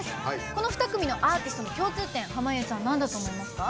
この２組のアーティストの共通点濱家さん、なんだと思いますか。